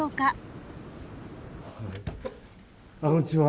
こんにちは。